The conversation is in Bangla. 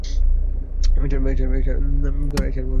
এছাড়াও তিনি বোলিং করেননি।